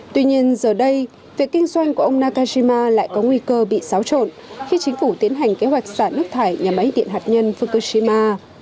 tuy nhiên giờ đây việc kinh doanh của ông nakajima lại có nguy cơ bị xáo trộn khi chính phủ tiến hành kế hoạch xả nước thải nhà máy điện hạt nhân fukushima